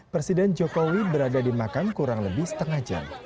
presiden jokowi berada di makam kurang lebih setengah jam